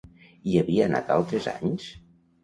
Hi havia anat altres anys?